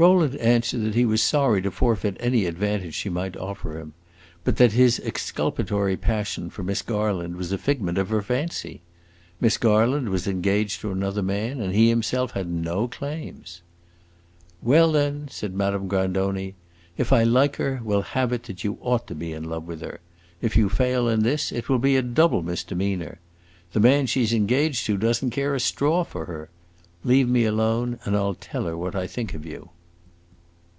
Rowland answered that he was sorry to forfeit any advantage she might offer him, but that his exculpatory passion for Miss Garland was a figment of her fancy. Miss Garland was engaged to another man, and he himself had no claims. "Well, then," said Madame Grandoni, "if I like her, we 'll have it that you ought to be in love with her. If you fail in this, it will be a double misdemeanor. The man she 's engaged to does n't care a straw for her. Leave me alone and I 'll tell her what I think of you."